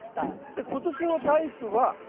で今年のタイプは。